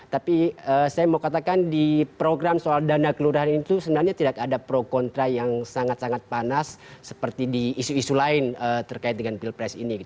tapi saya mau katakan di program soal dana kelurahan itu sebenarnya tidak ada pro kontra yang sangat sangat panas seperti di isu isu lain terkait dengan pilpres ini